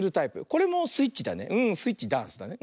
これもスイッチだねスイッチダンスだね。